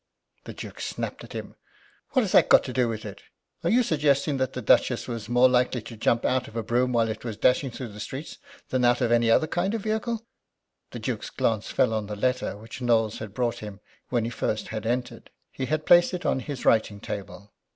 The Duke snapped at him: "What has that to do with it? Are you suggesting that the Duchess was more likely to jump out of a brougham while it was dashing through the streets than out of any other kind of vehicle?" The Duke's glance fell on the letter which Knowles had brought him when he first had entered. He had placed it on his writing table.